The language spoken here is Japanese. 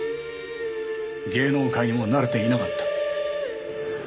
芸能界にも慣れていなかった。